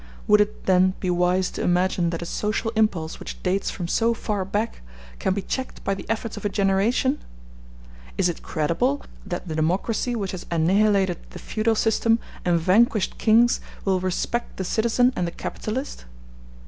Would it, then, be wise to imagine that a social impulse which dates from so far back can be checked by the efforts of a generation? Is it credible that the democracy which has annihilated the feudal system and vanquished kings will respect the citizen and the capitalist?